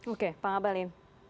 oke pak ngabalin